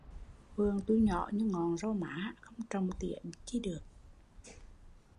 Vườn tui nhỏ như ngọn rau má, không trồng tỉa chi được